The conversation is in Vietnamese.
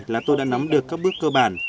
là tôi đã nắm được các bước cơ bản